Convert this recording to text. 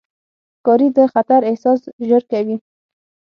ښکاري د خطر احساس ژر کوي.